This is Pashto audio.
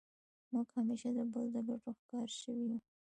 موږ همېشه د بل د ګټو ښکار سوي یو.